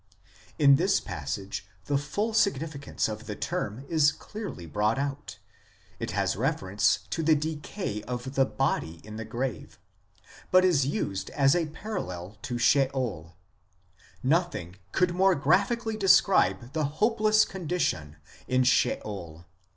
In this passage the full significance of the term is clearly brought out ; it has reference to the decay of the body in the grave, but is used as a parallel to Sheol; nothing could more graphically describe the hopeless condition in Sheol.